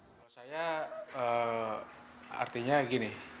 kalau saya artinya gini